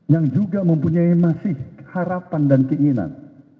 yang juga mempunyai masih harapan dan keinginan